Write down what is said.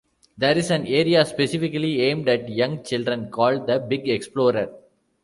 There is an area specifically aimed at young children called, The Big Explorer.